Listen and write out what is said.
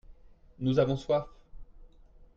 nous avons soif.